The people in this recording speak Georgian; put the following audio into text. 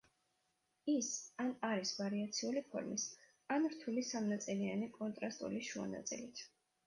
ის ან არის ვარიაციული ფორმის, ან რთული სამნაწილიანი კონტრასტული შუა ნაწილით.